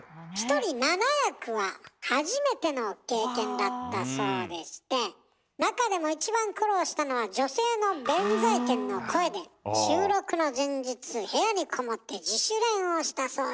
１人７役は初めての経験だったそうでして中でも一番苦労したのは女性の弁財天の声で収録の前日部屋にこもって自主練をしたそうです。